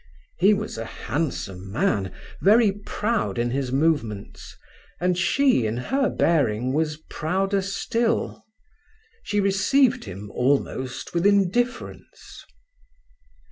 He was a handsome man, very proud in his movements; and she, in her bearing, was prouder still. She received him almost with indifference.